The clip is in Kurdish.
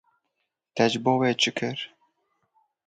Te ji bo wê çi kir?